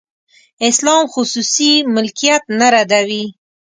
اسلام خصوصي ملکیت نه ردوي.